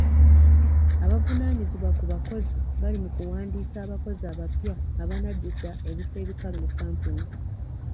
Abavunaanyizibwa ku bakozi bali mu kuwandiisa abakozi abapya abanajjuza ebifo ebikalu mu kampuni.